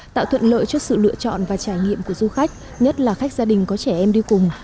tạo thuận lợi cho sự lựa chọn và trải nghiệm của du khách nhất là khách gia đình có trẻ em đi cùng